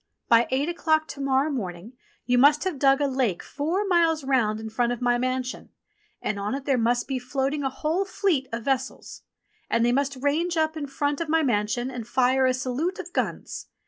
By eight o'clock to morrow morning you must have dug a lake four miles round in front of my mansion, and on it there must be float ing a whole fleet of vessels. And they must range up in front of my mansion and fire a salute of guns.